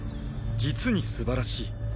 実にすばらしい。